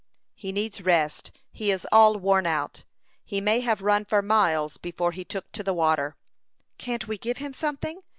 "He needs rest. He is all worn out. He may have run for miles before he took to the water." "Can't we give him something?